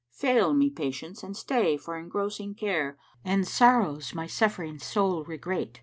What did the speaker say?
Fail me patience and stay for engrossing care * And sorrows my suffering soul regrate.